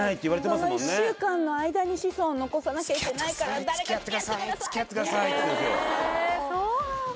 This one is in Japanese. その１週間の間に子孫を残さなきゃいけないから「誰かつきあってください」ってへえそうなんだ